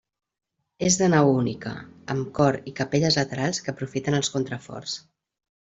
És de nau única, amb cor i capelles laterals que aprofiten els contraforts.